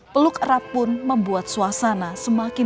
peluk erat pun membuat suasana semakin